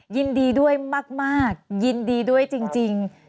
ยินดีด้วยมากยินดีด้วยจริง